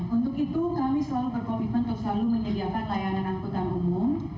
untuk itu kami selalu berkomitmen untuk selalu menyediakan layanan angkutan umum